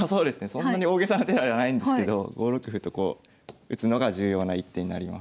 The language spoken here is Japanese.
そんなに大げさな手ではないんですけど５六歩とこう打つのが重要な一手になります。